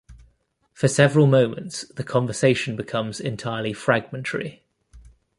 For several moments the conversation becomes entirely fragmentary.